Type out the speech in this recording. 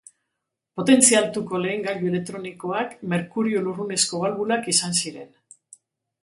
Potentzia altuko lehen gailu elektronikoak merkurio lurrunezko balbulak izan ziren.